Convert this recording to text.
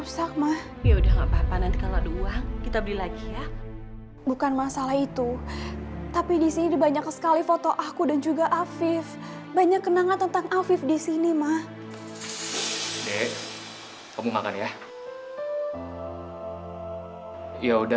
sampai jumpa di video selanjutnya